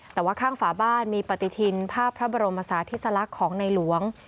แต่ว่าข้างฝาบ้านมีปฏิทินภาพพระบรมศาธิสลักษณ์ของในหลวง